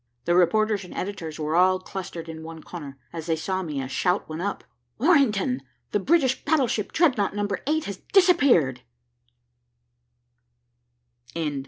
The reporters and editors were all clustered in one corner. As they saw me, a shout went up. "Orrington, the British battleship Dreadnought, Number 8, has disappeared!"